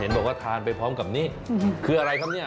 บอกว่าทานไปพร้อมกับนี่คืออะไรครับเนี่ย